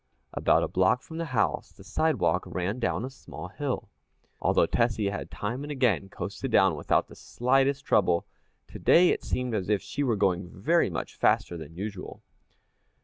About a block from the house, the sidewalk ran down a small hill. Although Tessie had time and again coasted down without the slightest trouble, today it seemed as if she were going very much faster than usual.